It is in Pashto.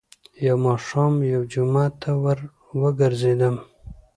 . يو ماښام يوه جومات ته ور وګرځېدم،